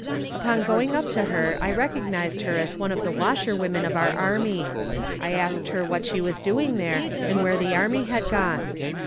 Upon going up to her I recognised her as one of the washerwomen of our army, I asked her what she was doing there and where the army had gone.